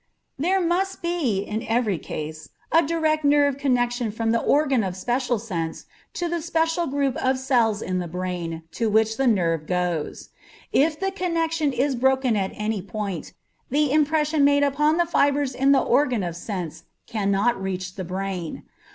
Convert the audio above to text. There must be, in every case, a direct nerve connection from the organ of special sense to the special group of cells in the brain to which the nerve goes. If the connection is broken at any point, the impression made upon the fibres in the organ of sense cannot reach the brain.